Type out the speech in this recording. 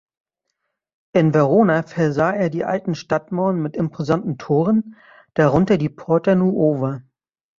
In Verona versah er die alten Stadtmauern mit imposanten Toren, darunter die "Porta Nuova".